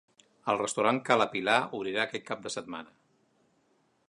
El restaurant Ca La Pilar obrirà aquest cap de setmana.